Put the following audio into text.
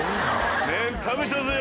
麺食べたぜ。